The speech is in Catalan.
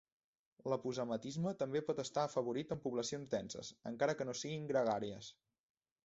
L'aposematisme també pot estar afavorit en poblacions denses encara que no siguin gregàries.